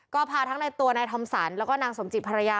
ก็พาทั้งในตัวนายทอมสรรแล้วก็นางสมจิตภรรยา